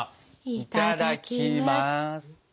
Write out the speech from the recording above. いただきます。